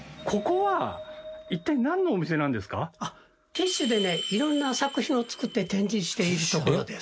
ティッシュでね色んな作品を作って展示している所です。